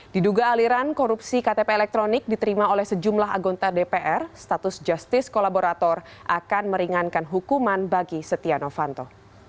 diduga aliran korupsi ktp elektronik diterima oleh sejumlah agontar dpr status justice kolaborator akan meringankan hukuman bagi setia novanto